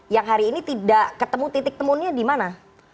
yang hari ini tidak ketemu titik temunya dimana